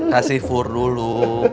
kasih fur dulu